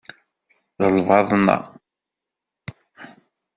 D lbaḍna.